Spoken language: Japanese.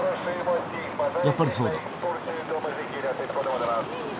やっぱりそうだ。